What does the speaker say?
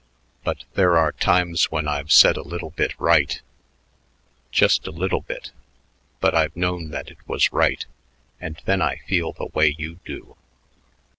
But there are times when I've said a little bit right, just a little bit, but I've known that it was right and then I feel the way you do."